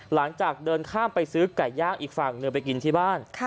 หลังจากเดินข้ามไปซื้อไก่ย่างอีกฝั่งหนึ่งไปกินที่บ้าน